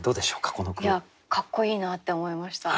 かっこいいなって思いました。